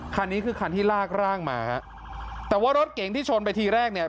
คันนี้คือคันที่ลากร่างมาฮะแต่ว่ารถเก๋งที่ชนไปทีแรกเนี่ย